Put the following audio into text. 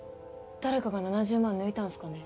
誰かが７０万抜いたんすかね？